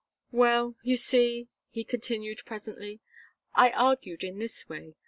"Well you see," he continued, presently, "I argued in this way.